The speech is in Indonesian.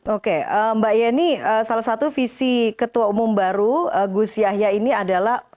oke mbak yeni salah satu visi ketua umum baru gus yahya ini adalah